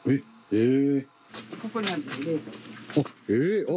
へえ。